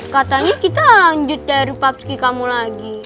katanya kita lanjut dari pubski kamu lagi